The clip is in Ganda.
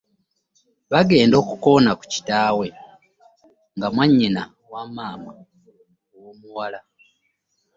Baagenda okukoona ku kitaawe, nga mwannyina wa maama w'omuwala